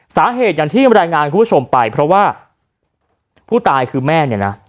สาเหตุอย่างที่รายงานคุณผู้ชมไปเพราะว่าผู้ตายคือแม่เนี่ยนะ